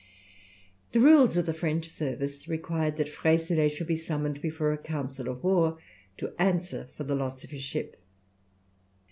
The rules of the French service required that Freycinet should be summoned before a council of war to answer for the loss of his ship.